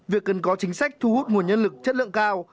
việc cần có chính sách thu hút nguồn nhân lực chất lượng cao